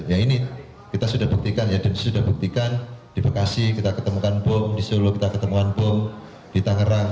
ya ini kita sudah buktikan ya dan sudah buktikan di bekasi kita ketemukan bom di solo kita ketemuan bom di tangerang